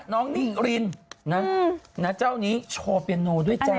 นิรินนะเจ้านี้โชว์เปียโนด้วยจ้า